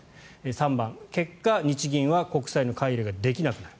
３番、結果、日銀は国債の買い入れができなくなる。